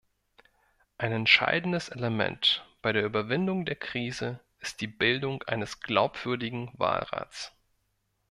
Ein entscheidendes Element bei der Überwindung der Krise ist die Bildung eines glaubwürdigen Wahlrats.